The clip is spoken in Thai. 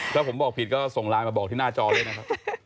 ถ้าผมบอกผิดก็ส่งไลน์มาบอกที่หน้าจอเลยนะครับ